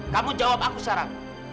kamu jawab aku sekarang